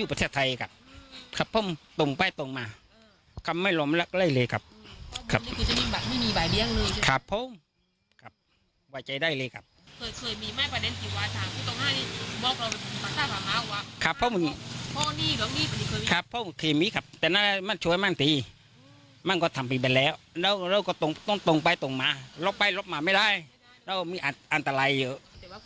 เราก็ต้องตรงไปตรงมารบไปรบมาไม่ได้เรามีอันตรายเยอะ